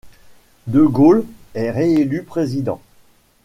De Gaulle est réélu président.